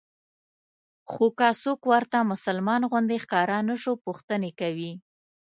خو که څوک ورته مسلمان غوندې ښکاره نه شو پوښتنې کوي.